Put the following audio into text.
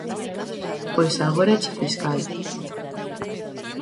–Pois agora éche fiscal.